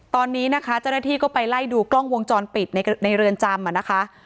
ตอนนี้นะคะเจ้าหน้าที่ก็ไปไล่ดูกล้องวงจรปิดในเรือนจำนะคะ